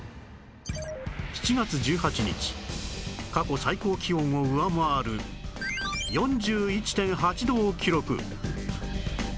７月１８日過去最高気温を上回る ４１．８ 度を記録